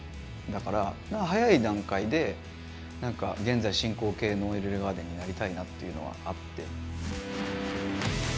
だから早い段階でなんか現在進行形のＥＬＬＥＧＡＲＤＥＮになりたいなっていうのはあって。